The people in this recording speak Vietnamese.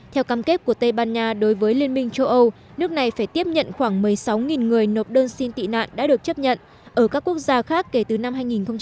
theo cam kết của tây ban nha đối với liên minh châu âu nước này phải tiếp nhận khoảng một mươi sáu người nộp đơn xin tị nạn đã được chấp nhận ở các quốc gia khác kể từ năm hai nghìn một mươi